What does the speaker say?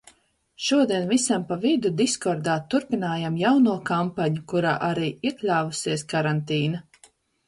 Šodien visam pa vidu diskordā turpinājām jauno kampaņu, kurā arī iekļāvusies karantīna.